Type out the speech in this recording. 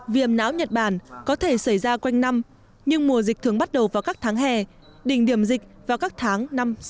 viêm não nhật bản có thể xảy ra quanh năm nhưng mùa dịch thường bắt đầu vào các tháng hè đỉnh điểm dịch vào các tháng năm sau